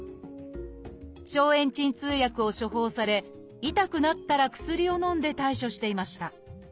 消炎鎮痛薬を処方され痛くなったら薬をのんで対処していました。